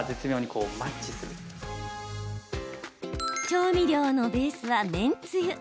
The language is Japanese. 調味料のベースは麺つゆ。